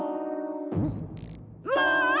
うわ！